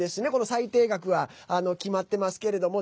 最低額は決まってますけれども。